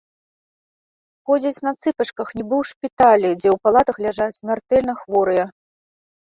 Ходзяць на цыпачках, нібы ў шпіталі, дзе ў палатах ляжаць смяртэльна хворыя.